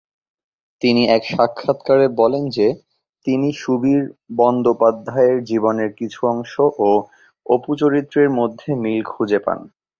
তিনি এক সাক্ষাৎকারে বলেন যে তিনি সুবীর বন্দ্যোপাধ্যায়ের জীবনের কিছু অংশ ও অপু চরিত্রের মধ্যে মিল খুঁজে পান।